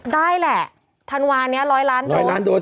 ได้แหละถันวานนี้๑๐๐ล้านโดส